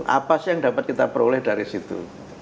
apa sih yang dapat kita peroleh dari situ